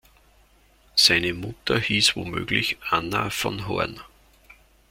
Seine Mutter hieß womöglich "Anna von Horn".